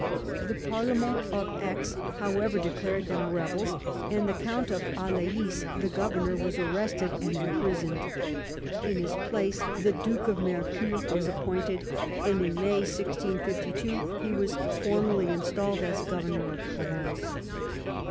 The parlement of Aix, however, declared them rebels, and the Count of Alais, the governor, was arrested and imprisoned. In his place the Duke of Mercoeur was appointed, and in May 1652 he was formally installed as governor of Provence.